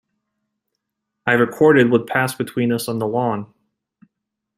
I recorded what passed between us on the lawn.